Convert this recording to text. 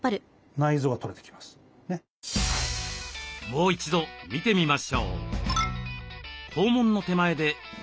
もう一度見てみましょう。